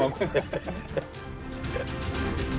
terakhir mas gembong